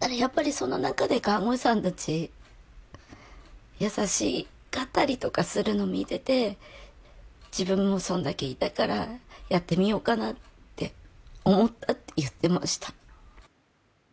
ただやっぱりその中で看護師さんたち優しかったりとかするのを見ていて自分もそれだけいたからやってみようかなって思ったって言ってました。